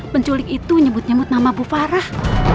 penculik itu nyebut nyebut nama bu farah